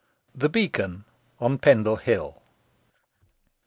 THE BEACON ON PENDLE HILL.